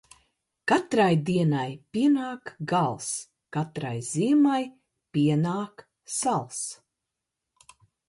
Katrai dienai pien?k gals. Katrai ziemai pien?k sals.